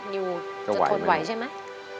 นิวจะทนไหวใช่ไหม